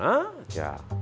じゃあ。